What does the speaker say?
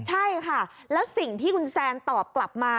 ใช่ค่ะแล้วสิ่งที่คุณแซนตอบกลับมา